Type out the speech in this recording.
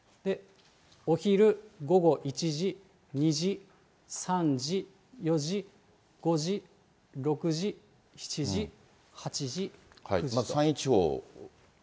お昼、午後１時、２時、３時、４時、５時、６時、７時、８時、９時と。